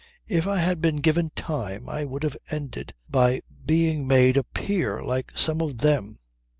If I had been given time I would have ended by being made a peer like some of them.'